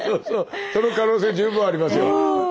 その可能性十分ありますよ。